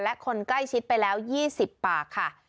และคนใกล้ชิดไปแล้ว๒๐ปากค่ะ